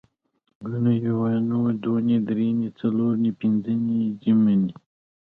اونۍ یونۍ دونۍ درېنۍ څلورنۍ پینځنۍ جمعه